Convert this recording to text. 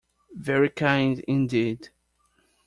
Very kind indeed.